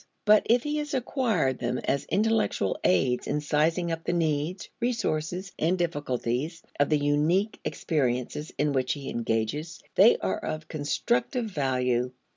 But if he has acquired them as intellectual aids in sizing up the needs, resources, and difficulties of the unique experiences in which he engages, they are of constructive value.